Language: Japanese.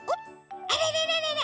あらららららうわ！